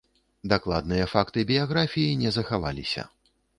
Дакладныя факты біяграфіі не захаваліся.